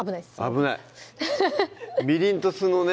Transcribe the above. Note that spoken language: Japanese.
危ないみりんと酢のね